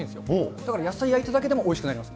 だから野菜焼いただけでもおいしくなります。